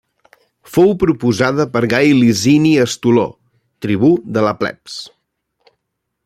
Fou proposada per Gai Licini Estoló, tribú de la plebs.